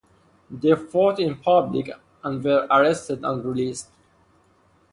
They fought in public and were arrested and released.